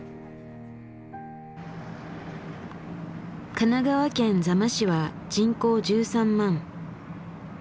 神奈川県座間市は人口１３万。